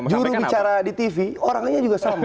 juru bicara di tv orangnya juga sama